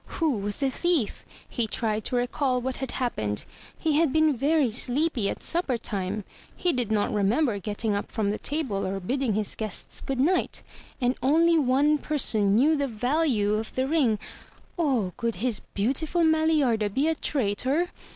Who was the thief? He tried to recall what had happened. He had been very sleepy at supper time. He did not remember getting up from the table or bidding his guests good night. And only one person knew the value of the ring —! Oh, could his beautiful Maliarda be a traitor?